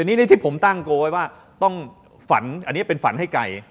อันนี้ที่ผมตั้งโกไว้ว่าต้องฝันอันนี้เป็นฝันให้ไก่